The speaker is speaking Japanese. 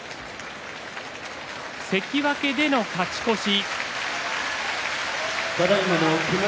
関脇での勝ち越し。